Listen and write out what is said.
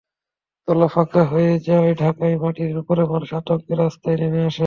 তলা ফাঁকা হয়ে যাওয়া ঢাকার মাটির ওপরের মানুষেরা আতঙ্কে রাস্তায় নেমে আসে।